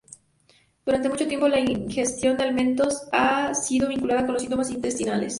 Durante mucho tiempo, la ingestión de alimentos ha sido vinculada con los síntomas intestinales.